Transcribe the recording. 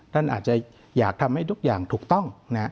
ท่านอาจจะอยากทำให้ทุกอย่างถูกต้อง